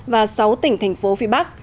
và sáu tỉnh thành phố phía bắc